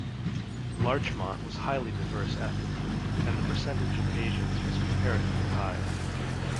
Larchmont was highly diverse ethnically, and the percentage of Asians was comparatively high.